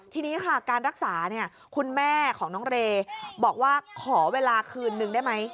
ทีนี้ค่ะการรักษาเนี่ยคุณแม่ของน้องเรย์บอกว่าขอเวลาคืนนึงได้ไหม